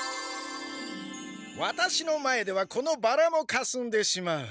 ワタシの前ではこのバラもかすんでしまう。